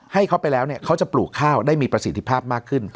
ให้เขาไปแล้วเขาจะปลูกข้าวได้มีประสิทธิภาพมากขึ้น